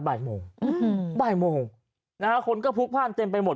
บ่ายโมงอืมบ่ายโมงนะฮะคนก็พลุกพ่านเต็มไปหมด